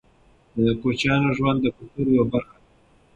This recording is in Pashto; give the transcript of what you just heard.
د کوچیانو ژوند د کلتور یوه برخه ده.